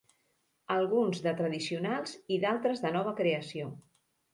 Alguns de tradicionals i d'altres de nova creació.